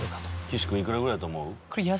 岸君いくらぐらいやと思う？